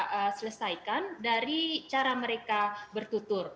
bacaan yang mereka selesaikan dari cara mereka bertutur